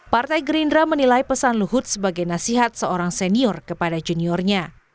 partai gerindra menilai pesan luhut sebagai nasihat seorang senior kepada juniornya